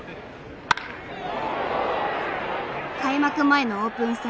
開幕前のオープン戦。